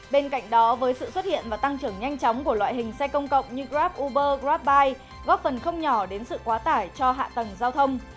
bên cạnh đó với sự xuất hiện và tăng trưởng nhanh chóng của loại hình xe công cộng như grab uber grabbuy góp phần không nhỏ đến sự quá tải cho hạ tầng giao thông